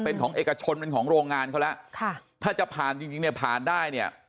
เป็นของเอกชนเป็นของโรงงานเขาแล้วค่ะถ้าจะผ่านจริงจริงเนี่ยผ่านได้เนี่ย